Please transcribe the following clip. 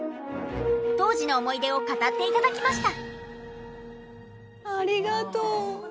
当時の思い出を語って頂きました。